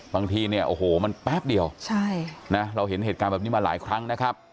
บางทีเนี่ยโอ้โหมันแป๊บเดียวเราเห็นเหตุการณ์แบบนี้มาหลายครั้งนะครับ